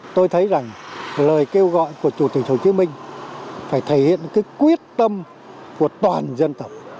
tôi thấy rằng lời kêu gọi của chủ tịch hồ chí minh phải thể hiện cái quyết tâm của toàn dân tộc